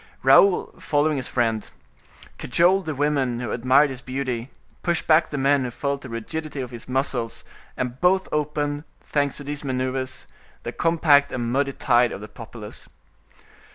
Raoul, following his friend, cajoled the women who admired his beauty, pushed back the men who felt the rigidity of his muscles, and both opened, thanks to these maneuvers, the compact and muddy tide of the populace.